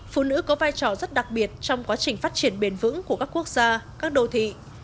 phụ nữ có vai trò rất đặc biệt trong quá trình phát triển bền vững của các quốc gia các đô thị